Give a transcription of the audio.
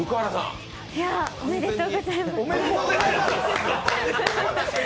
おめでとうございます。